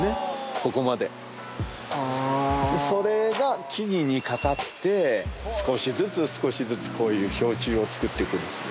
ここまでそれが木々にかかって少しずつ少しずつこういう氷柱を作っていくんですね